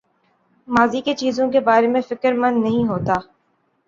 ماضی کی چیزوں کے بارے میں فکر مند نہیں ہوتا